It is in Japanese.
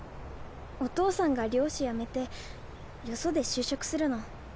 お父さんが漁師やめてよそで就職するの。